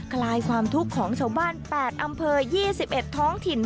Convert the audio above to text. คลายความทุกข์ของชาวบ้าน๘อำเภอ๒๑ท้องถิ่น